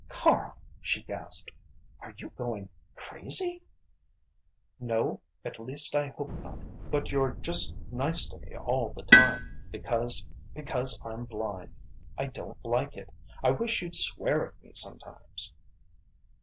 "Karl," she gasped "are you going crazy?" "No at least I hope not. But you're just nice to me all the time, because because I'm blind! I don't like it! I wish you'd swear at me sometimes!"